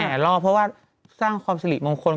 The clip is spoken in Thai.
แห่่รอบเพราะว่าสร้างความสลิมองคล